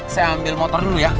saya ambil motor dulu ya